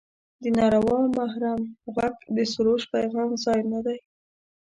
د ناروا محرم غوږ د سروش پیغام ځای نه دی.